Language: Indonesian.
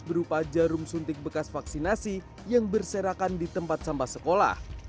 berupa jarum suntik bekas vaksinasi yang berserakan di tempat sampah sekolah